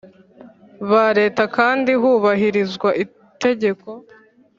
ba leta kandi hubahirizwa itegeko